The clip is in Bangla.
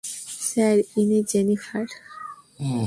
স্যার ইনি জেনিফার।